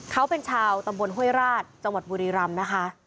เขาเป็นชาวตำบลห้วยราชจังหวัดบุรีรำนะคะ